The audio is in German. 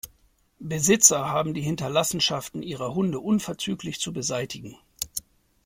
Besitzer haben die Hinterlassenschaften ihrer Hunde unverzüglich zu beseitigen.